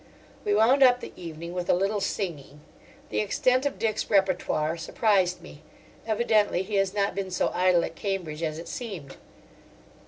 We wound up the evening with a little singing. The extent of Dick's repertoire surprised me; evidently he has not been so idle at Cambridge as it seemed.